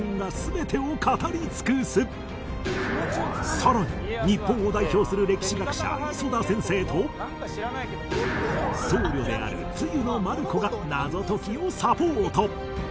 さらに日本を代表する歴史学者磯田先生と僧侶である露の団姫が謎解きをサポート